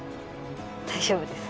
大丈夫です。